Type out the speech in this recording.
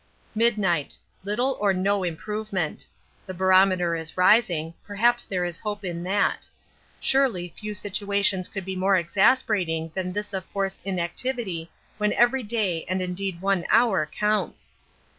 Midnight. Little or no improvement. The barometer is rising perhaps there is hope in that. Surely few situations could be more exasperating than this of forced inactivity when every day and indeed one hour counts.